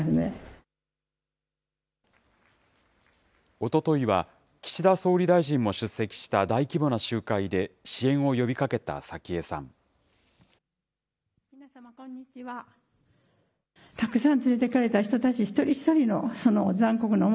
おとといは、岸田総理大臣も出席した大規模な集会で支援を呼びかけた早紀江さん。